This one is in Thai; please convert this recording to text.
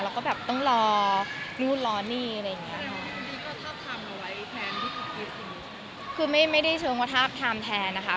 แล้วก็แบบต้องรอนู่นรอนี่อะไรอย่างเงี้ยค่ะคือไม่ไม่ได้เชิงว่าทาบทามแทนนะคะ